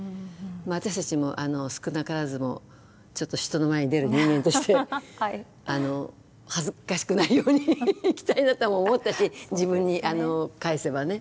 私たちも少なからずもちょっと人の前に出る人間として恥ずかしくないように生きたいなとも思ったし自分に返せばね。